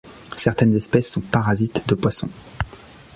Certaines espèces sont parasites de poissons.